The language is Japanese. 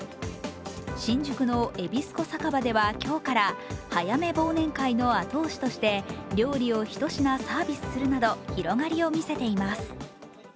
新宿のエビスコ酒場では今日から早め忘年会の後押しとして料理を一品サービスするなど広がりを見せています。